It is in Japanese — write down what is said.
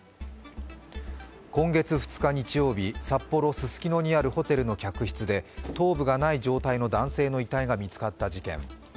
今月２日日曜日、札幌・ススキノにあるホテルの客室で頭部がない状態の男性の遺体が見つかった事件。